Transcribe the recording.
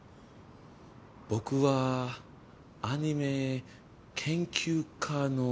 僕はアニメ研究家の。